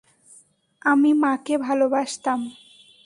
আমি মাকে ভালোবাসতাম।